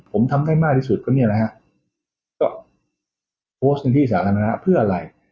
ผมทำได้มากที่สุดก็นี้นะครับกล้อก้อนโพสต์ที่สาธารณะเพื่ออะไร